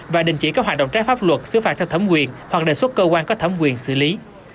và đình chỉ các hoạt động trái pháp luật xứ phạt theo thẩm quyền hoặc đề xuất cơ quan có thẩm quyền xử lý